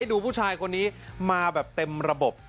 ดูผู้ชายคนนี้มาแบบเต็มระบบ